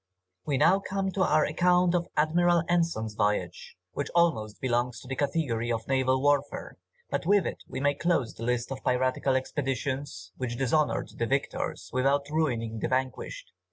We now come to our account of Admiral Anson's voyage, which almost belongs to the category of naval warfare, but with it we may close the list of piratical expeditions, which dishonoured the victors without ruining the vanquished.